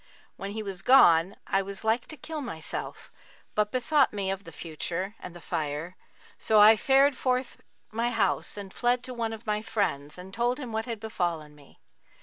When he was gone, I was like to kill myself, but bethought me of the Future and the Fire; so I fared forth my house and fled to one of my friends and told him what had befallen me.